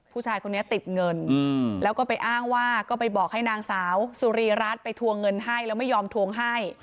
ผู้ชายคนนี้ติดเงินแล้วก็ไปอ้างว่าก็ไปบอกให้นางสาวสุรีรัฐไปทวงเงินให้แล้วไม่ยอมทวงให้